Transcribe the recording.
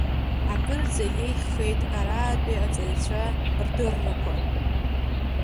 Акырӡа иеиӷьхеит араатәи аҵаҩцәа рдыррақәа.